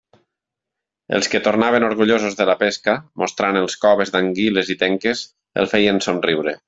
Els que tornaven orgullosos de la pesca, mostrant els coves d'anguiles i tenques, el feien somriure.